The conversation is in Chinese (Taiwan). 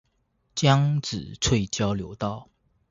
江子翠交流道